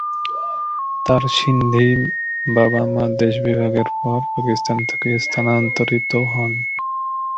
তার সিন্ধি বাবা-মা দেশবিভাগের পর পাকিস্তান থেকে স্থানান্তরিত হন।